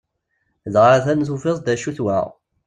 Dɣa atan tufiḍ-d acu-t wa!